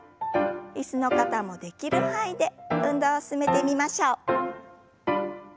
椅子の方もできる範囲で運動を進めてみましょう。